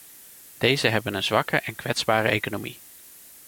Deze hebben een zwakke en kwetsbare economie.